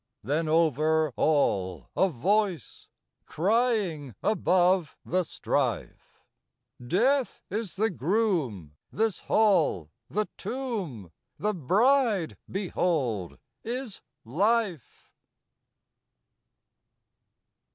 Then over all a voice Crying above the strife "Death is the Groom: this Hall, the Tomb: The Bride, behold, is Life!"